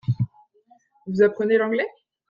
Vous apprenez l’anglais ?